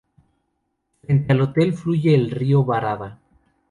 Frente al hotel fluye el Río Barada.